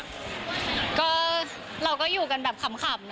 ก็เราก็อยู่กันแบบขำ